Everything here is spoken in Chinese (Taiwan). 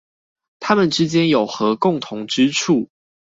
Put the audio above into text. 它們之間有何共同之處？